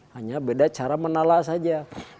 hanya beda cara menala saja